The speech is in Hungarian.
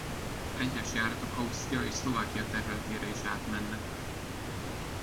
Egyes járatok Ausztria és Szlovákia területére is átmennek.